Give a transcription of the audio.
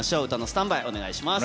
歌のスタンバイ、お願いします。